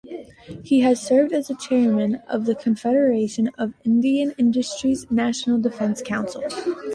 He has served as Chairman of the Confederation of Indian Industry’s National Defence Council.